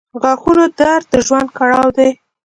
• د غاښونو درد د ژوند کړاو دی.